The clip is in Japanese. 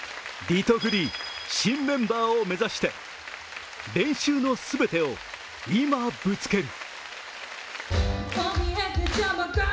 リトグリ新メンバーを目指して練習の全てを今、ぶつける。